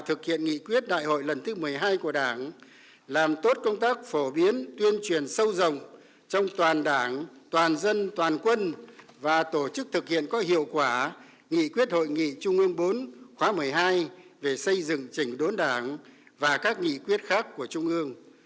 thực hiện nghị quyết đại hội lần thứ một mươi hai của đảng làm tốt công tác phổ biến tuyên truyền sâu rộng trong toàn đảng toàn dân toàn quân và tổ chức thực hiện có hiệu quả nghị quyết hội nghị trung ương bốn khóa một mươi hai về xây dựng chỉnh đốn đảng và các nghị quyết khác của trung ương